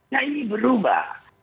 nah ini berubah